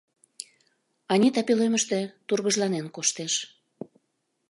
Анита пӧлемыште тургыжланен коштеш.